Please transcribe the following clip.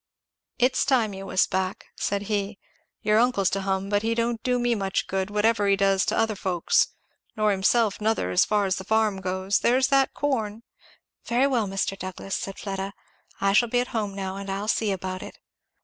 "It's time you was back," said he. "Your uncle's to hum, but he don't do me much good, whatever he does to other folks nor himself nother, as far as the farm goes; there's that corn" "Very well, Mr. Douglass," said Fleda, "I shall be at home now and I'll see about it."